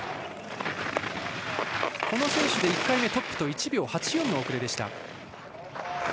この選手で１回目トップと１秒８４の遅れでした。